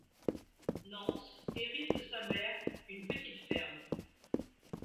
Nance hérite de sa mère une petite ferme.